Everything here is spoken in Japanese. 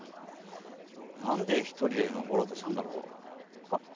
なんで１人で登ろうとしたんだろう？は？